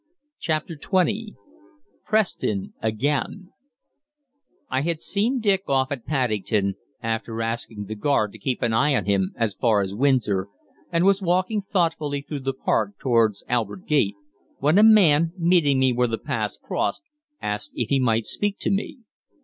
CHAPTER XX PRESTON AGAIN I had seen Dick off at Paddington, after asking the guard to keep an eye on him as far as Windsor, and was walking thoughtfully through the park towards Albert Gate, when a man, meeting me where the paths cross, asked if he might speak to me.